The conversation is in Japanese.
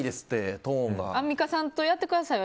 アンミカさんとやってください。